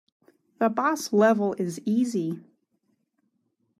The boss level is easy.